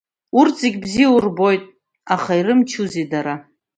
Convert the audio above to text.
Урҭ зегь бзиа урбоит, аха ирымчузеи дара.